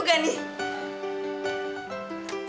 tidak tidak tidak